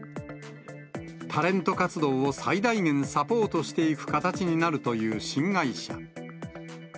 タレント活動を最大限サポートしていく形になるという新会社。